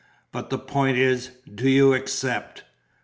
But the point is, do you accept?"